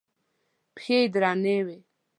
پښې یې درنې وې.